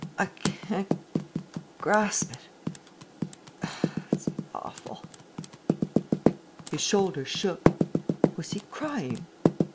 ... I can't grasp it ... it's awful." His shoulders shook. Was he crying?